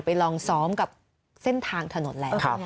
ลองซ้อมกับเส้นทางถนนแล้ว